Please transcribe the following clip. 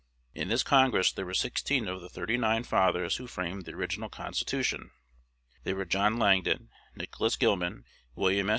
In this Congress there were sixteen of the "thirty nine" fathers who framed the original Constitution. They were John Langdon, Nicholas Gilman, William S.